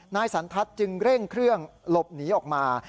นายสันทัศน์จึงเร่งเครื่องหลบหนีออกมา